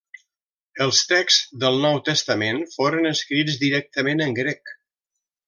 Els texts del Nou Testament foren escrits directament en grec.